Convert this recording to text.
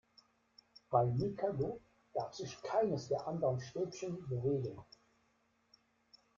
Beim Mikado darf sich keines der anderen Stäbchen bewegen.